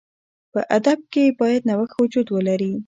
په ادب کښي باید نوښت وجود ولري.